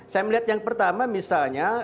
saya melihat yang pertama misalnya